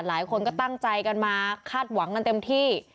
หลายคนก็ตั้งใจกันมาคาดหวังกันเต็มที่